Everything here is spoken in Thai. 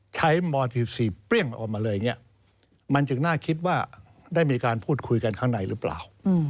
ม๑๔เปรี้ยงออกมาเลยอย่างนี้มันจึงน่าคิดว่าได้มีการพูดคุยกันข้างในหรือเปล่า